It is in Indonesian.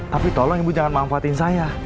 tapi tolong ibu jangan manfaatin saya